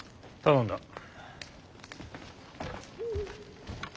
頼んだ。